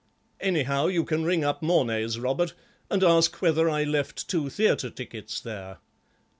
Anyhow, you can ring up Mornay's, Robert, and ask whether I left two theatre tickets there.